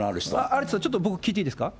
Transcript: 有田さん、僕、ちょっと聞いていいですか。